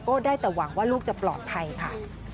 ได้แต่หวังว่าลูกจะปลอดภัยค่ะ